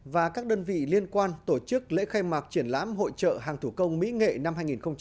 và các đơn vị liên quan tổ chức lễ khai mạc triển lãm hội trợ hàng thủ công mỹ nghệ năm hai nghìn một mươi chín